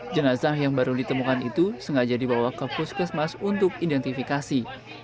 jenazah yang baru ditemukan itu sengaja dibawa ke puskesmas untuk identifikasi